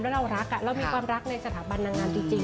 แล้วเรารักเรามีความรักในสถาบันนางงามจริง